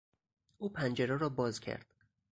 او پنجره را باز کرد.